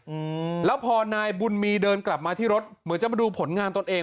อืมแล้วพอนายบุญมีเดินกลับมาที่รถเหมือนจะมาดูผลงานตนเอง